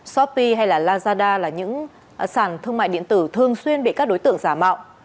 shopee hay lazada là những sản thương mại điện tử thường xuyên bị các đối tượng giả mạo